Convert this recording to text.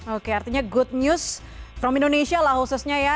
oke artinya good news from indonesia lah khususnya ya